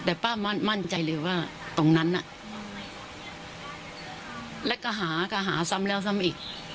แต่ป้ามั่นใจเลยว่าตรงนั้นน่ะแล้วก็หาก็หาซ้ำแล้วซ้ำอีก